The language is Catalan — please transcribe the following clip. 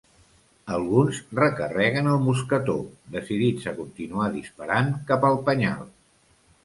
Alguns recarreguen el mosquetó, decidits a continuar disparant cap al penyal.